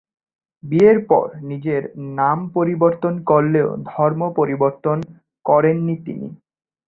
বিয়ের পর নিজের নাম পরিবর্তন করলেও ধর্ম পরিবর্তন করেন নি তিনি।